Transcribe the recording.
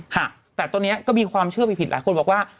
ค่ะแต่ตัวนี้ก็มีความเชื่อผิดหลายคนบอกว่า